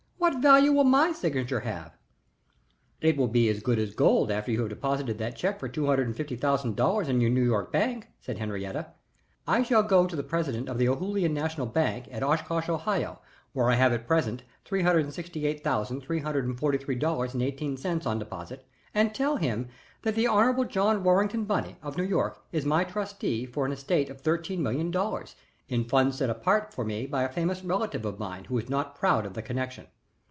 What value will my signature have?" "It will be good as gold after you have deposited that check for two hundred and fifty thousand dollars in your New York bank," said Henriette. "I shall go to the president of the Ohoolihan National Bank at Oshkosh, Ohio, where I have at present three hundred and sixty eight thousand three hundred and forty three dollars and eighteen cents on deposit and tell him that the Hon. John Warrington Bunny, of New York, is my trustee for an estate of thirteen million dollars in funds set apart for me by a famous relative of mine who is not proud of the connection.